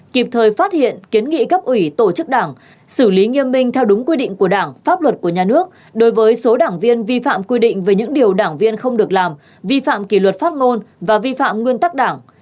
kịp thời phát hiện kiến nghị cấp ủy tổ chức đảng xử lý nghiêm minh theo đúng quy định của đảng pháp luật của nhà nước đối với số đảng viên vi phạm quy định về những điều đảng viên không được làm vi phạm kỷ luật phát ngôn và vi phạm nguyên tắc đảng